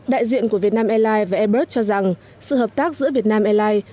đại diện của việt nam airlines và airbus cho rằng sự hợp tác giữa việt nam airlines